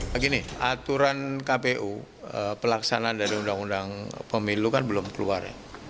begini aturan kpu pelaksanaan dari undang undang pemilu kan belum keluar ya